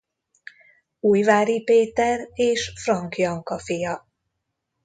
Újvári Péter és Frank Janka fia.